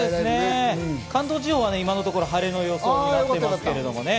関東地方は今のところ晴れの予想が出てますけどね。